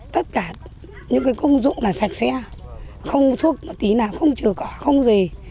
tất cả những công dụng là sạch sẽ không thuốc một tí nào không trừ cỏ không gì